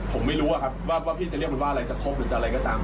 ผมไม่รู้อะครับว่าพี่จะเรียกมันว่าอะไรจะครบหรือจะอะไรก็ตาม